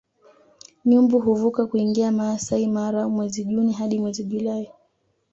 Nyumbu huvuka kuingia Maasai Mara mwezi Juni hadi mwezi Julai